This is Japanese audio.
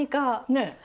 ねえ。